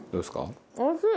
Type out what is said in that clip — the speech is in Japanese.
おいしい！